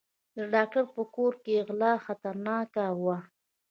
د ډاکټر په کور کې غلا خطرناکه وه.